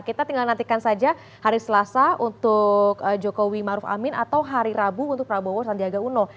kita tinggal nantikan saja hari selasa untuk jokowi maruf amin atau hari rabu untuk prabowo sandiaga uno